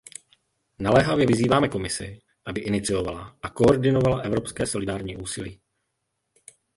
Naléhavě vyzýváme Komisi, aby iniciovala a koordinovala evropské solidární úsilí.